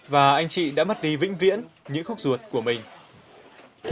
và anh chị đã mất đi vĩnh viễn những khúc ruột của mình